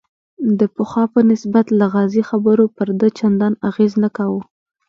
د پخوا په نسبت لغازي خبرو پر ده چندان اغېز نه کاوه.